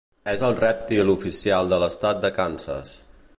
És el rèptil oficial de l'estat de Kansas.